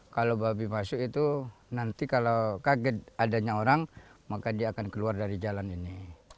kalau babi masuk itu nanti kalau kaget adanya orang maka dia akan keluar dari jalan ini